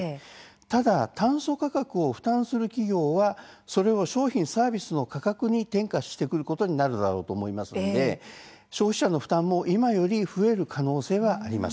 ただ炭素価格を負担する企業はそれを商品サービスの値段に転嫁することになると思いますので消費者の負担も今より増える可能性があります。